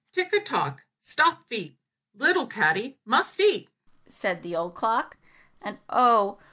"Tick a tock, stop feet, Little Caddy must eat," said the old clock. And, oh!